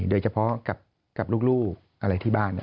โดยเฉพาะกับลูกอะไรที่บ้าน